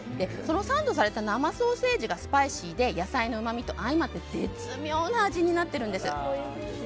そのサンドされた生ソーセージがスパイシーで野菜のうまみと相まって絶妙な味になってるんです。